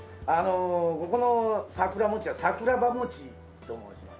ここのさくら餅は桜葉餅と申します。